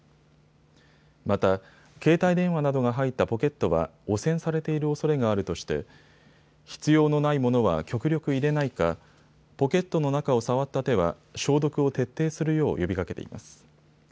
また携帯電話などが入ったポケットは汚染されているおそれがあるとして必要のないものは極力入れないかポケットの中を触った手は消毒を徹底するよう呼びかけています。